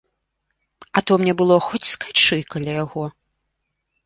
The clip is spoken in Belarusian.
А то мне было хоць скачы каля яго.